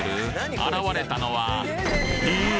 現れたのはえっ！